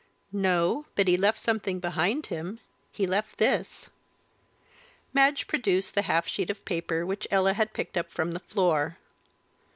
"No but he left something behind him he left this." Madge produced the half sheet of paper which Ella had picked up from the floor.